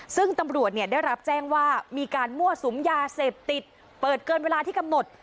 ซึ่งตำรวจได้รับแจ้งว่ามีการมั่วสุมยาเสพติดเปิดเกินเวลาที่กำหนด